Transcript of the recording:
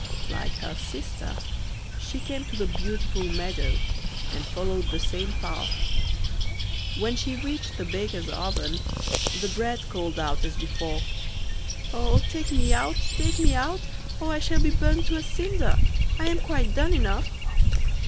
Like her sister she came to the beautiful meadow, and followed the same path. When she reached the baker's oven the bread called out as before: 'Oh! take me out, take me out, or I shall be burnt to a cinder. I am quite done enough.